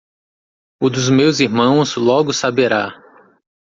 O dos meus irmãos logo saberá.